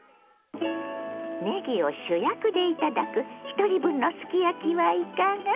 ねぎを主役で頂くひとり分のすき焼きはいかが？